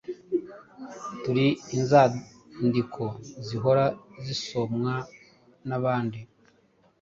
turi inzandiko zihora zisomwa n’abandi.